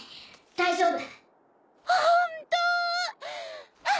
大丈夫！